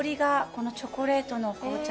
このチョコレートの紅茶。